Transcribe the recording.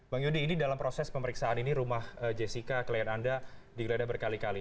bang yudi ini dalam proses pemeriksaan ini rumah jessica klien anda digeledah berkali kali